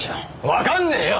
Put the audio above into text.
わかんねえよ！